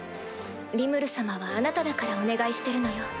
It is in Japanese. リムル様はあなただからお願いしてるのよ。